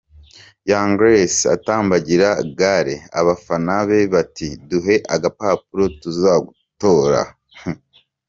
Young Grace atambagira Gare, abafana be bati: "Duhe agapapuro tuzagutora".